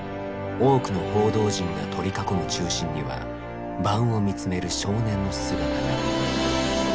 多くの報道陣が取り囲む中心には盤を見つめる少年の姿が。